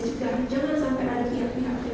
tidak sampai ada pihak pihak yang